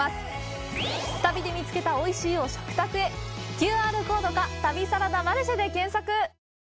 ＱＲコードか「旅サラダマルシェ」で検索。